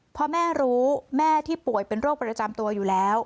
พอแม่รู้แม่ที่ป่วยเป็นโรคประจำตัวอยู่แล้ว